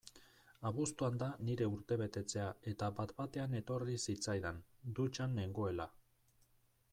Abuztuan da nire urtebetetzea eta bat-batean etorri zitzaidan, dutxan nengoela.